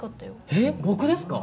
えっ僕ですか？